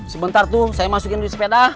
sebentar tuh saya masukin di sepeda